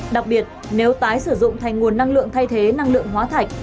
đặc biệt nếu tái sử dụng thành nguồn năng lượng thay thế năng lượng hóa thạch